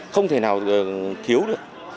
không thể nào thiếu được